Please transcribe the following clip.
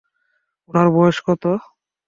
ওনার বয়স কত?